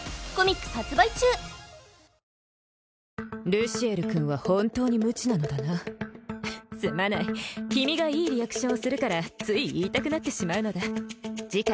ルシエル君は本当に無知なのだなすまない君がいいリアクションをするからつい言いたくなってしまうのだ次回